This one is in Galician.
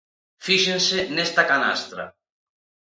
Fíxense nesta canastra.